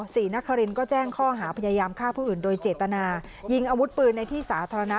ศรีนครินก็แจ้งข้อหาพยายามฆ่าผู้อื่นโดยเจตนายิงอาวุธปืนในที่สาธารณะ